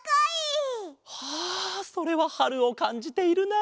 ああそれははるをかんじているな。